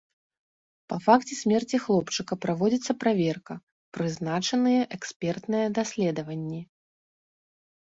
Па факце смерці хлопчыка праводзіцца праверка, прызначаныя экспертныя даследаванні.